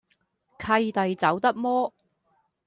契弟走得摩